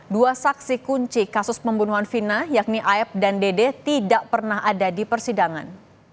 dua saksi kunci kasus pembunuhan fina yakni aep dan dede tidak pernah ada di persidangan